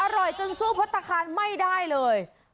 จนสู้พัฒนาคารไม่ได้เลย